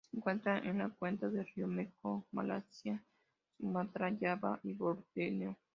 Se encuentra en la cuenca del río Mekong, Malasia, Sumatra, Java y Borneo.